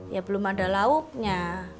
ya belum ada lauknya